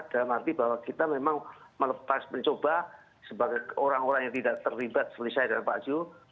dalam arti bahwa kita memang melepas mencoba sebagai orang orang yang tidak terlibat seperti saya dan pak zul